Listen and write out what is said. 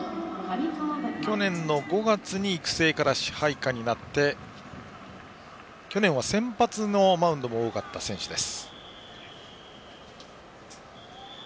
去年５月に育成から支配下になって去年は先発のマウンドが多かった選手です。